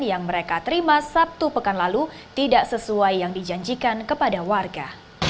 yang mereka terima sabtu pekan lalu tidak sesuai yang dijanjikan kepada warga